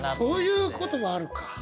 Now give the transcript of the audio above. そういうこともあるか。